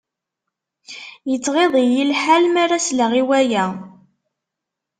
Yettɣiḍ-iyi lḥal mi ara sleɣ i waya.